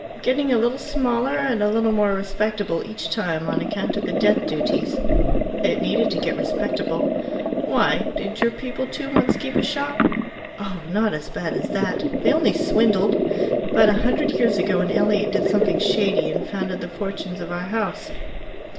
"Getting a little smaller and a little more respectable each time, on account of the death duties." "It needed to get respectable." "Why? Did your people, too, once keep a shop?" "Oh, not as bad as that! They only swindled. About a hundred years ago an Elliot did something shady and founded the fortunes of our house."